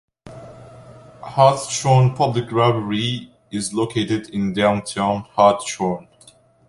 Hartshorne Public Library is located in downtown Hartshorne.